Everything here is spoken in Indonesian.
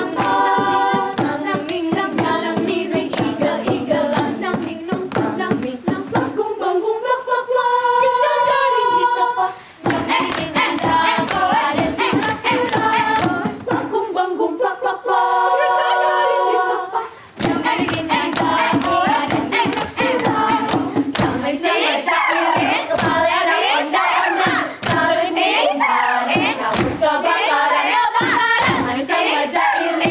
gara pengantin disurnati